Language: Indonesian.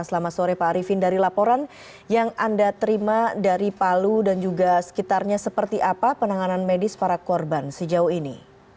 selamat sore pak arifin dari laporan yang anda terima dari palu dan juga sekitarnya seperti apa penanganan medis para korban sejauh ini